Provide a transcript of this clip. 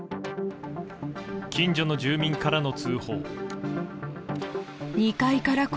近所の住民からの通報。